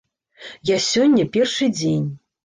Я сёння першы дзень.